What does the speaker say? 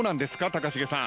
高重さん。